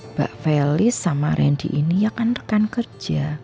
mbak felis sama randy ini ya kan rekan kerja